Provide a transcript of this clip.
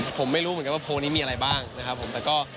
ค่ะผมไม่รู้เหมือนกันว่าโพสถ์นี้มีอะไรบ้างนะครับผม